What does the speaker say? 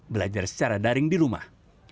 belajar secara daring di rumah